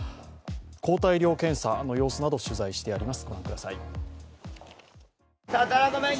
抗体量検査の様子など取材してあります。